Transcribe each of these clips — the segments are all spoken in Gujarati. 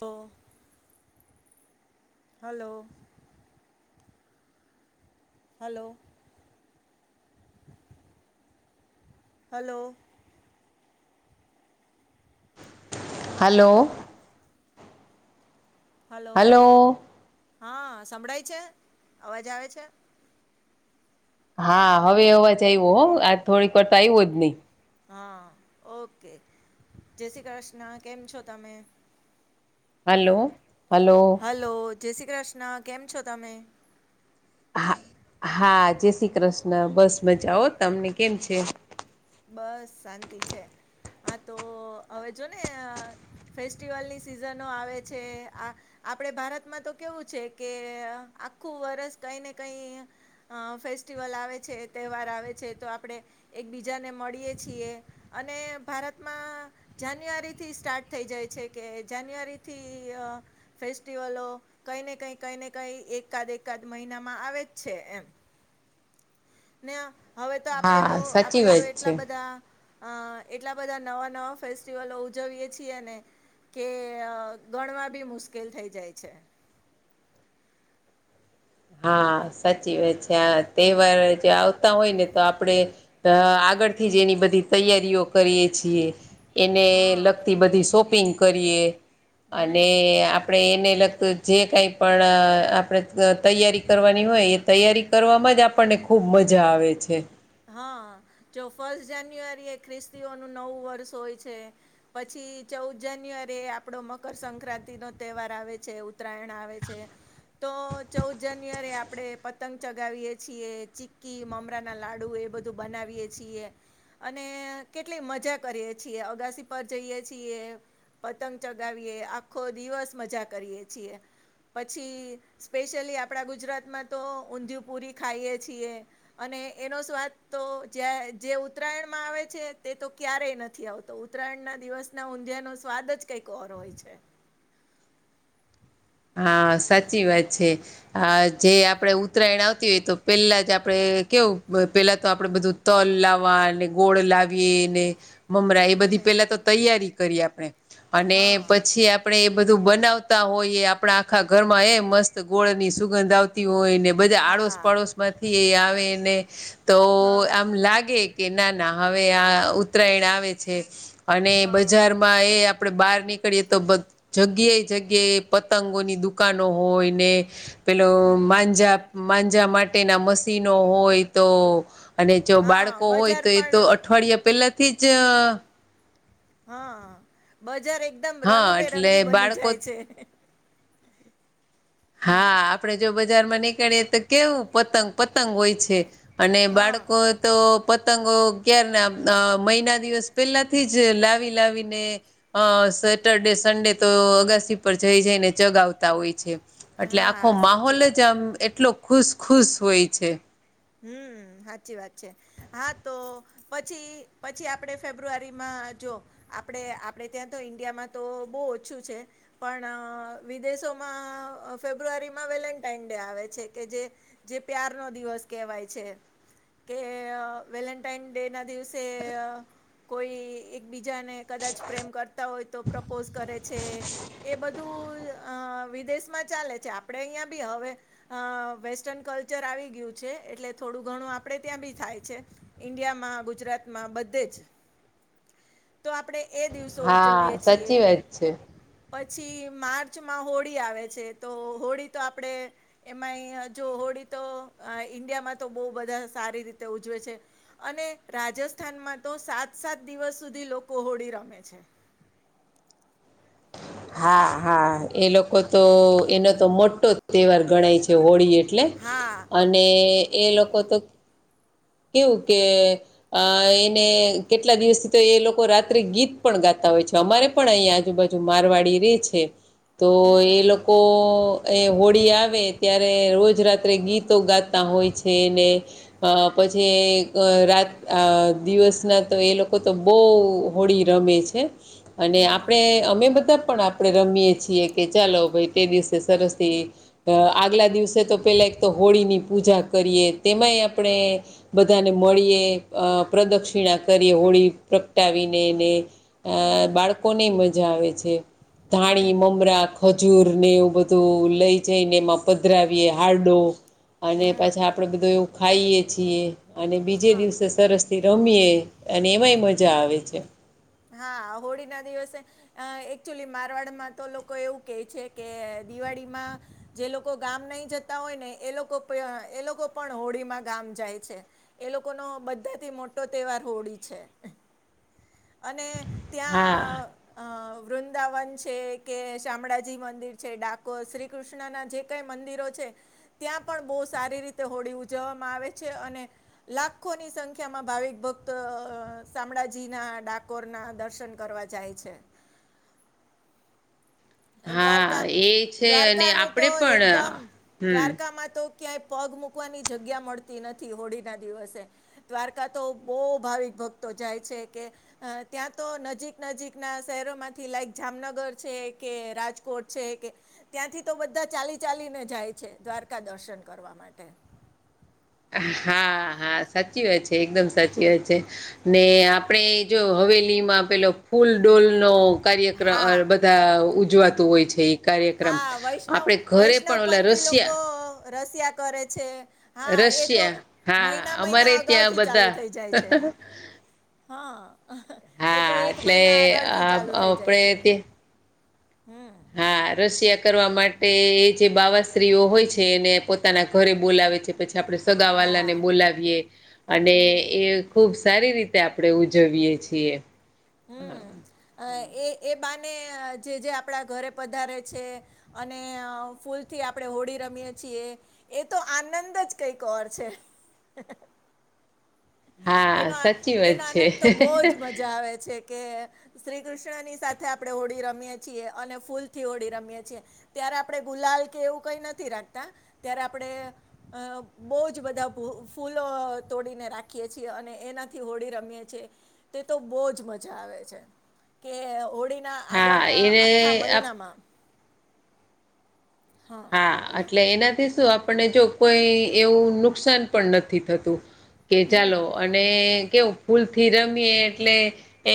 લો hello hello hello hello hello હા સંભળાય છે? અવાજ આવે છે? હા હવે અવાજ આવ્યો હો. આ થોડીક વાર તો આવ્યો જ નહીં. હા ઓકે. જય શ્રી કૃષ્ણ. કેમ છો તમે? હલો, હલો ‌ હલો, જય શ્રી કૃષ્ણ. કેમ છો તમે? હા, હા, જય શ્રી કૃષ્ણ. બસ મજાઓ. તમને કેમ છે? બસ શાંતિ છે. હા તો હવે જોને ફેસ્ટિવલની સિઝનો આવે છે. આ આપણે ભારતમાં તો કેવું છે, કે આખું વર્ષ કંઈ ને કંઈ અ ફેસ્ટિવલ આવે છે, તહેવાર આવે છે, તો આપણે એકબીજાને મળીએ છીએ. અને ભારતમાં જાન્યુઆરીથી સ્ટાર્ટ થઈ જાય છે, કે જાન્યુઆરીથી અ ફેસ્ટિવલો કંઈ ને કંઈ, કંઈ ને કંઈ એકાદ એકાદ મહિનામાં આવે જ છે એમ. ને હવે તો આપણેે હા તો સાચી આપણેે તો વાત છે એટલા બધા અ એટલા બધા નવા નવા ફેસ્ટિવલો ઉજવીએ છીએ ને કે ગણવા ભી મુશ્કેલ થઈ જાય છે. હા સાચી વાત છે. આ તહેવાર જે આવતા હોય નેતો આપડે. અ આગળથી જ એની બધી તૈયારીઓ કરીએ છીએ. એને હા લગતી બધી શોપિંગ કરીએ. અને હમ આપડે એને લગતું જે કાઈ પણ આપણે [inaudible] તૈયારી કરવાની હોય એ તૈયારી કરવામાં જ આપણને ખૂબ મજા આવે છે. હા જો ફર્સ્ટ જાન્યુઆરી એ ખ્રિસ્તીઓનું નવું વર્ષ હોય છે. પછી ચૌદ જાન્યુઆરી એ આપણો મકરસંક્રાંતિનો તહેવાર આવે છે, ઉત્તરાયણ આવે છે. તો ચૌદ જાન્યુઆરી આપડે પતંગ ચગાવીએ છીએ, ચીકી મમરાના લા ડું એ બધું બનાવીએે છીએ. અને કેટલી મજા કરીએ છીએ અગાસી પર જઈએ છીએ. પતંગ ચગાવીએ, આખો દિવસ મજા કરીએ છીએ. પછી સ્પેશિયલી આપણા ગુજરાતમાં તો ઊંધિયું પુરી ખાઈએ છીએ. અને એનો સ્વાદ તો જે ઉત્તરાયણ માં આવે છે, તે તો ક્યારેય નથી આવત તો ઉત્તરાયણના દિવસના ઊંધિયાનો સ્વાદ જ કાઈક ઓર હોય છે. હા સાચી વાત છે. હહ જે આપણે ઉત્તરાયણ આવતી હોય તો પેલા જ આપણે કેવું પેલા તો આપણે બધું તલ લાવવા અને ગોળ લાવીએ ને. મમરા એ બધી હમ પેલા તો તૈયારી કરી આપણે અને હા પછી આપણે એ બધું બનાવતા હોઈએ આપણા આખા ઘરમાં એ મસ્ત ગોળની સુગંધ આવતી હોય ને બધા આડોશ હા પાડોશ માંથી એ આવે ને તો હા આમ લાગે કે ના ના હવે આ ઉત્તરાયણ આવે છે અને હા બજાર એ આપડે બહાર નીકળીયે તો જગ્યા જગ્યા પટ પતંગો ની દુકાનો હોય ને પેલો હમ માંજા માંજા માટે ના મશીનો હોય તો અને જો હા બાળકો હોય બજાર તો એ તો પણ અઠવાડિયા પેલા થી જ હા બજાર એકદમ હા રંગબેરંગી એટલે બની બાળકો જાય છે હમ હા આપણે જો બજારમાં નીકળીએ તો કેવું પતંગ પતંગ હોય છે અને હા બાળકો તો પતંગો ક્યાર ના મહિના દિવસ પહેલા થી જ લાવી લાવીને અ સેટરડે સન્ડે તો અગાસી પર જઈ જઈને ચગાવતા હોય છે એટલે આખો હા સાચી માહોલ વાત જ છે આમ એટલો ખુશ ખુશ હોય છે હમ્મ સાચી વાત છે હા તો પછી પછી આપણે ફેબ્રુઆરીમાં જો આપણે આપણે ત્યાં તો ઈન્ડિયામાં તો બહુ ઓછું છે પણ વિદેશોમાં ફેબ્રુઆરીમાં વેલેન્ટાાઈન ડે આવે છે કે જે જે પ્યાર નો દિવસ કહેવાય છે કે વેલેન્ટાઈન ડે ના દિવસે કોઈ એક બીજાને કદાચ પ્રેમ કરતા હોય તો પ્રપોઝ કરે છે એ બધું અ વિદેશમાં ચાલે છે આપણે અહીંયા બી હવે અ વેસ્ટર્ન કલ્ચર આવી ગયું છે છે એટલે થોડું ઘણું આપણે ત્યાં બી થાય છે ઈન્ડિયામાં ગુજરાતમાં બધે જ તો આપણે એ દિવસો ઉજવીએ હા છીએ સાચી વાત છે પછી માર્ચમાં હોળી આવે છે તો હોળી તો આપણે એમાં જો હોળી તો ઈન્ડિયામાં તો બહુ બધા સારી રીતે ઉજવે છે અને રાજસ્થાનમાં તો સાત સાત દિવસ સુધી લોકો હોળી રમે છે હા હા એ લોકો તો એનો તો મોટો તહેવાર ગણાય છે જે હોળી એટલે હા અને એ લોકો તો કેવું કે અ એને કેટલા દિવસથી તો એ લોકો રાત્રે ગીત પણ ગાતા હોય છે અમારે પણ અહીં આજુબાજુ મારવાડી રે છે તો હમ એ લોકો એ હોળી આવે ત્યારે રોજ રાત્રે ગીતો ગાતા હોય છે ને અ પછી રાત દિવસના તો એ લોકો તો બહુ હોળી રમે છે અને હમ આપણે અમે બધા પણ આપ આપણે રમીએ છીએ કે ચાલો ભાઈ તે દિવસે સરસથી આગલા દિવસે તો પહેલાં એક તો હોળીની પૂજા કરીએ તેમાંય આપણે બધાને મળીએ પ્રદક્ષિણા કરીએ હોળી પ્રગટાવીને એને અ હમ બાળકોને મજા આવે છે હમ ધાણી મમરા ખજૂર ને એવું બધું લઈ જઈને એમાં પધરાવીએ હારડો અને પાછા હમ આપણે બધું એવું ખાઈએ છીએ અને બીજે હા દિવસે સરસ તે રમીએ અને એમાંય મજા આવે છે હા હોળી ના દિવસે અ એકચુલી મારવાડમાં તો લોકો એવું કે છે કે દિવાળીમાં જે લોકો ગામ નહી જતા હોય ને એ લોકો એ લોકો પણ હોળીમાં ગામ જાય છે. એ લોકો ન બધા થી મોટો તહેવાર હોળી છે. અને હા ત્યાં અ વૃંદાવન છે, કે શામળાજી મંદિર છે, ડાકોર શ્રી કૃષ્ણના જે કઈ મંદિરો છે. ત્યાં પણ બહુ સારી રીતે હોળી ઉજવવામાં આવે છે, અને લાખોની સંખ્યામાં ભાવિક ભક્ત સામળાજી ના ડા કોરના દર્શન કરવા જાય છે. દ્વારકા, હા એ છે અને દ્વારકાનું તો આપડે એકદમ, પણ હમ દ્વારકામાં તો ક્યાંય પગ મુકવાની જગ્યા મળતી નથી, હોળી ના દિવસે. દ્વારકા તો બહુ ભાવિક ભક્તો જાય છે, કે અ ત્યાં તો નજીક નજીકના સહેરોમાંથી લાઈક જામનગર છે. કે રાજકોટ છે, કે ત્યાંથી તો બધા ચાલી ચાલીને જાય છે, દ્વારકા દર્શન કરવા માટે. હા, હા સાચી વાત છે, એકદમ સાચી વાત છે, ને આપ આપણે જો હવેલીમાં પેલો ફૂલ ડોલનો કાર્યક્રમ હા અર તા ઉજવાતું હોય છે ઈ. હા, વૈશ્નવ, વૈશ્નવ ઓલા પંથી લોકો રશિયા રસિયા કરે છે. હા, એ તો રશિયા હા મહિના મહિના અમારે અગાઉ ત્યાં થી ચાલુ બધા થઈ જાય છે. હા, એ તો હા એક એટલે મહિના આગળથી આ ચાલુ થઇ જાય છે. આપણે તે હમ હા, રસિયા કરવા માટે એ જે બાવા સ્ત્રીઓ હોય છે, એને પોતાના ઘરે બોલાવે છે. પછી આપણે સગા હા વાલાને બોલાવીએ. અને હમ એ ખુબ સારી રીતે આપણે ઉજવીએ છીએ. હમ, એ એ બાને જે-જે આપણા ઘરે પધારે છે, અને ફૂલથી આપણે હોડી રમીએે છીએ. એ તો આનંદ જ કઈક ઓર છે. એનો હા આ, સાચી વાત એનો છે આનંદ તો બહુ જ મજા આવે છે. કે શ્રીકૃષ્ણની સાથે આપણે હોળી રમીએ છીએ અને ફૂલથી હોળી રમીએ છીએ. ત્યારે આપણે ગુલાલ કે એવું કઈ નથી રાખતા, ત્યારે આપણેે અ, બહુ જ બધા ફૂલો તોડીને રાખે રાખીએ છીએ અને એનાથી હોળી રમીએ છીએ તે તો બહુ જ મજા આવે છે. કે હોળીના હા આગળના એને આખા આપ મહિનામાં હા, એટલે એનાથી સુ આપણને જો કોઈ એવું નુકસાન પણ નથી થતું. કે ચાલો અને કેવું, ફૂલ થી રમીએ એટલે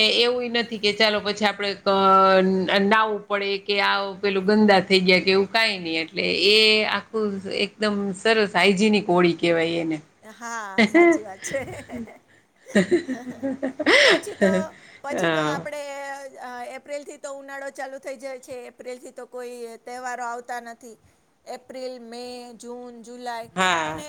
એ એવું નથી કે ચાલો પછી આપડે નાવવું પડે કે આ પેલું ગંદા થઈ ગાય કે એવું કઈ નઈ. એટલે એ આખું એકદમ સરસ, હાઇજેનિક હોળી કેહેવાય એને. હા, સાચી વાત છે. પછી તો, અ પછી તો આપણેે એપ્રિલથી તો ઉનાળો ચાલુ થઈ જાય છે, એપ્રિલથી તો કોઈ તહેવારો આવતા નથી. એપ્રિલ, મે, જૂન, જુલાઈ હા હા અને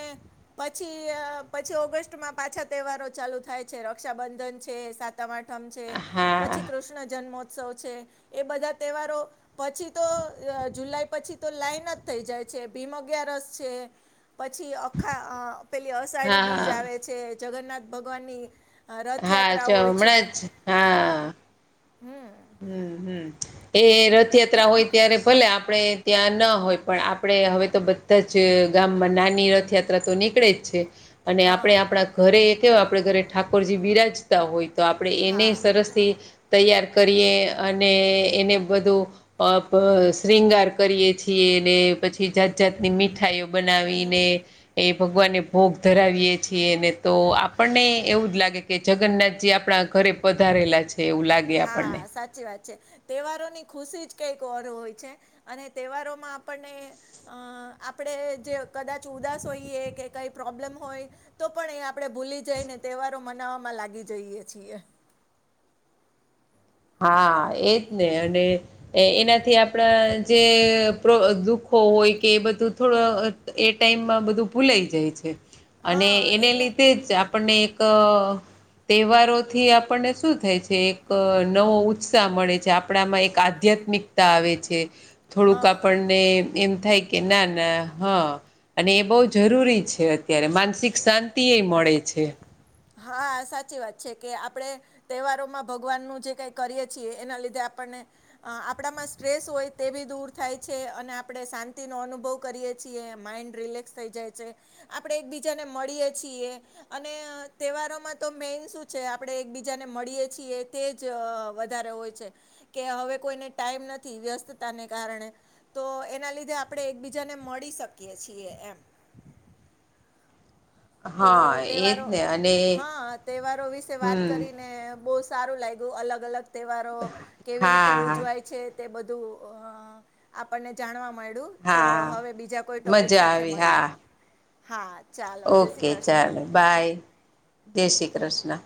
પછી અ, પછી ઓગસ્ટમાં પાછા તહેવારો ચાલુ થાય છે, રક્ષાબંધન છે, સા તમ આઠમ છે, હા પછી કૃષ્ણ જન્મોત્સવ છે, એ બધા તહેવારો પછી તો જુલાઈ પછી તો લાઈન જ થઈ જાય છે, ભીમ અગિયારસ છે. પછી અખા પેલી અસાઢી બીજ હા. આવે છે, જગન્નાથ ભગવાનની આ હા રથયાત્રા જો હોય છે. હમણાં હા હમ હમ-હમ એ રથયાત્રા હોય ત્યારે ભલે આપણે ત્યાં ના હોય પણ આપણે હવે તો બદ બધા જ ગામમાં નાની રથયાત્રા તો નીકળે જ છે. અને હા આપણે આપણા ઘરે એ કેવા આપણે ઘરે ઠાકોરજી બિરાજ તા હોય તો આપણે એને હા સરસથી તૈયાર કરીએ અને એને બધું અ પ શ્રીંગાર કરીએ છીએ ને પછી જાત જાતની મીઠાઈઓ હમ બનાવીને- એ ભગવાને ભોગ ધરાવીએ છીએ અને તો આપણને એવું જ લાગે કે જગન્નાથજી આપણા ઘરે- પધારેલા છે એવું લાગે. હા! આપણને સાચી વાત છે. તહેવારોની ખુશી જ કંઈક ઓર હોય છે અને તહેવારોમાં આપણને- અ આપણે જે કદાચ ઉદાસ હોઈએ કે કઈ પ્રોબ્લેમ હોય- તો પણ એ આપણે ભૂલી જઈને તહેવારો મનાવવામાં લાગી જઈએ છીએ. હા એજ ને અને- એનાથી આપણા જે દુખો હોય કે એ બધું થોડું- એ ટાઈમમાં બધું ભૂલાઈ જાય છે અને હા એને એટલે લીધે જ આપ- આપણને એક તહેવારોથી આપણને શું થાય છે એક- નવો ઉત્સાહ મળે છે. આપણામાં એક આધ્યાત્મિકતા આવે છે. થોડુંક હા આપણને એમ થાય કે ના ના હં અને એ બહુ જરૂરી છે. ત્યારે માનસિક શાંતિ એ મળે છે. હા સાચી વાત છે કે આપણે- તહેવારોમાં ભગવાનનું જે કઈ કરીએ છીએ એના લીધે આપણને- આપણામાં સ્ટ્રેસ હોય તે ભી દૂર થાય છે અને આપણે શાંતિનો અનુભવ- કરીએ છીએ માઈન્ડ રિલેક્સ થઈ જાય છે. આપણે એકબીજાને મળીએ છીએ અને- તહેવારોમાં તો મેન શું છે આપણે એકબીજાને મળીએ છીએ તે જ વધારે હોય છે. કે હવે કોઈને ટાઈમ નથી વ્યસ્તતાને કારણે. તો એના લીધે આપણે એકબીજાને મળી શકીએ છીએ. તો હા એજ તહેવારો ને અને હા તહેવારો વિશે વાત હમ કરીને- સારું લાગ્યું અલગ અલગ તહેવારો કેવી રીતે હા હા ઉજવાય છે. તે બધું અ આપણને જાણવા મળ્યું. તો હા હવે બીજા કોઈ ટોપિક મજા સાથે આવી મળીએ હા હા ચાલો. જય શ્રી ઓકે કૃષ્ણ ચાલો બાય જય શ્રી કૃષ્ણ!